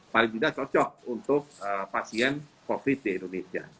paling tidak cocok untuk pasien covid di indonesia